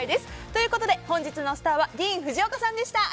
ということで本日のスターはディーン・フジオカさんでした。